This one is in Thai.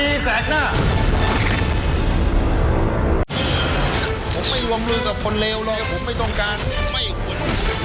ผมไม่วงลือกับคนเลวเลยผมไม่ต้องการไม่ควร